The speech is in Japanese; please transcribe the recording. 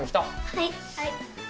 はい。